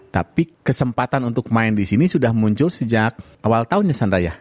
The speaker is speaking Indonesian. tapi kesempatan untuk main di sini sudah muncul sejak awal tahunnya sandra ya